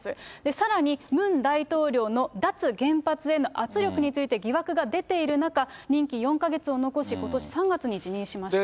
さらに、ムン大統領の脱原発への圧力について疑惑が出ている中、任期４か月を残し、ことし３月に辞任しました。